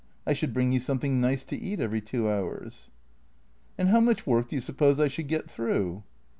I should bring you something nice to eat every two hours." " And how much work do you suppose I should get through